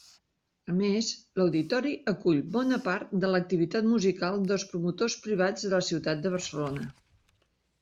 A més, l'Auditori acull bona part de l'activitat musical dels promotors privats de la ciutat de Barcelona.